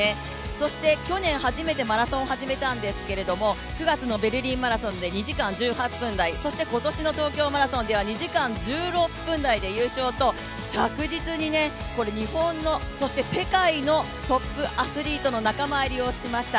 そして去年初めてマラソンを始めたんですが９月のベルリンマラソンで２時間１８分台、今年の東京マラソンでは２時間１６分台で優勝と、着実に日本の、世界のトップアスリートの仲間入りをしました。